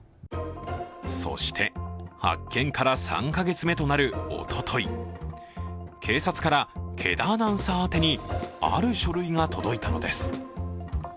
そして発見から３か月目となるおととい、警察から毛田アナウンサー宛てにある書類が届いたのです。